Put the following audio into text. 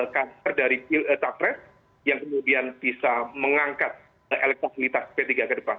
kanker dari capres yang kemudian bisa mengangkat elektabilitas p tiga ke depan